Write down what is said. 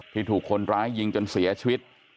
ถูกคนร้ายยิงจนเสียชีวิต